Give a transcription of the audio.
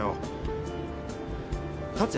達也